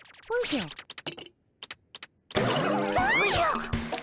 おじゃ！